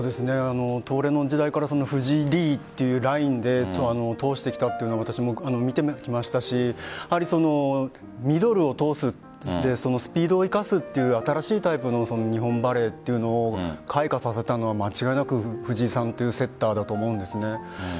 東レの時代から藤井、李というラインで通してきたというのは私も見てきたしミドルを通すというスピードを生かすという新しいタイプの日本バレーというのを開花させたのは間違いなく藤井さんというセッターだと思うんです。